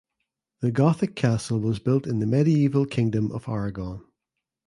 The gothic castle was built in the medieval Kingdom of Aragon.